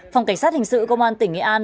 phòng cảnh sát hình sự công an tỉnh nghệ an